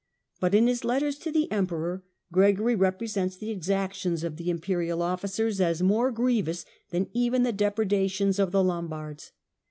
But in his letters to the Emperor, Gregory represents the exactions of the Imperial officers as more grievous than even the depredations of the Lombards.